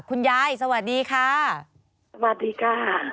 คุณยายสวัสดีค่ะสวัสดีค่ะ